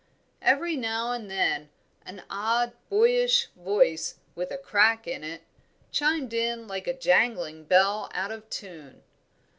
Every now and then an odd boyish voice, with a crack in it, chimed in like a jangling bell out of tune.